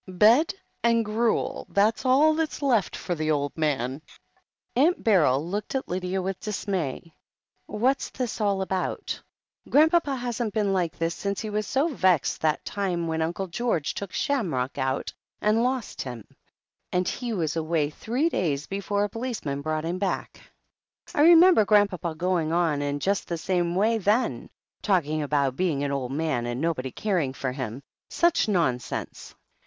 Bed and gruel, that's all that's left for the old man." Aunt Beryl looked at Lydia with dismay. "What's all this about ? Grandpapa hasn't been like this since he was so vexed that time when Uncle George took Shamrock out and lost him, and he was away three days before a policeman brought him back. I remember Grandpapa going on in just the same way then, talking about being an old man and nobody caring for him. Such nonsense